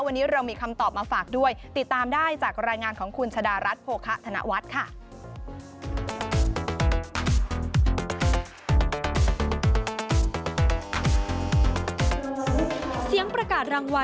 วันนี้เรามีคำตอบมาฝากด้วยติดตามได้จากรายงานของคุณชะดารัฐโภคะธนวัฒน์ค่ะ